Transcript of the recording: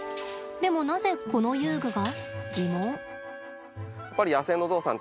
でも、なぜ、この遊具が？